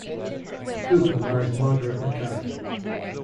Cooper married Margaret Mackay.